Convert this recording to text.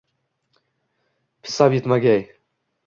писиб ётмагай!